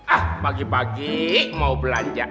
ah pagi pagi mau belanja